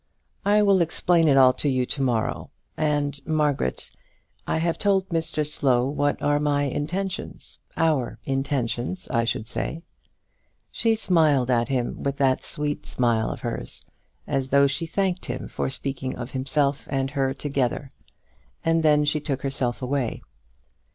"I will explain it all to you to morrow; and, Margaret, I have told Mr Slow what are my intentions, our intentions, I ought to say." She smiled at him with that sweet smile of hers, as though she thanked him for speaking of himself and her together, and then she took herself away.